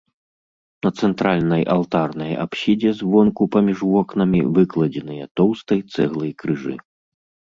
На цэнтральнай алтарнай апсідзе звонку паміж вокнамі выкладзеныя тоўстай цэглай крыжы.